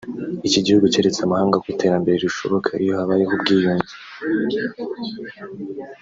Iki gihugu cyeretse amahanga ko iterambere rishoboka iyo habayeho ubwiyunge